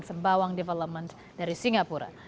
dan sembawang development dari singapura